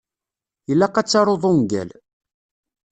Ilaq ad taruḍ ungal.